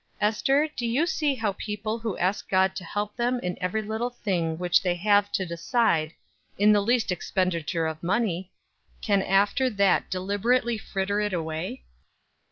Ester, do you see how people who ask God to help them in every little thing which they have to decide in the least expenditure of money can after that deliberately fritter it away?"